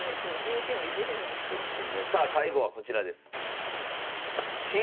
さあ最後はこちらです。